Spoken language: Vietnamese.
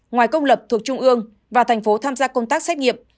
ngoài công lập thuộc trung ương và thành phố tham gia công tác xét nghiệm